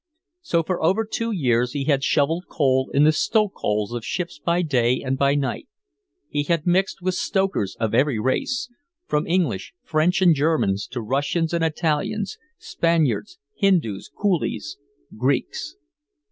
So for two years he had shoveled coal in the stokeholes of ships by day and by night, he had mixed with stokers of every race, from English, French and Germans to Russians and Italians, Spaniards, Hindus, Coolies, Greeks.